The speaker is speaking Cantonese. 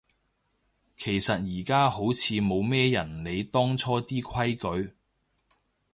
其實而家好似冇咩人理當初啲規矩